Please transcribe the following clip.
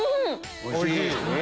おいしい？